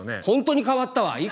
本当に変わったわ。